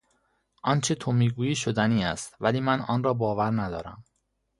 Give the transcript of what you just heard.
آنچه تو میگویی شدنی است ولی من آن را باور ندارم.